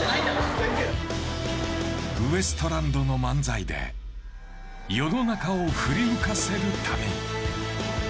ウエストランドの漫才で世の中を振り向かせるために。